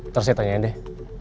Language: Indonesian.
ntar saya tanyain deh